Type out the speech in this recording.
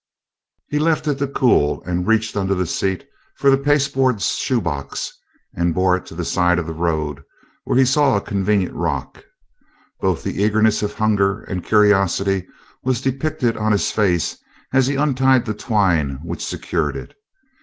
He left it to cool and reached under the seat for a pasteboard shoe box and bore it to the side of the road, where he saw a convenient rock. Both the eagerness of hunger and curiosity was depicted on his face as he untied the twine which secured it.